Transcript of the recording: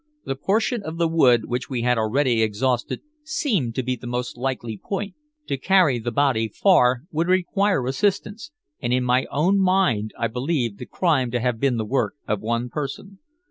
The portion of the wood which we had already exhausted seemed to be the most likely point. To carry the body far would require assistance, and in my own mind I believed the crime to have been the work of one person.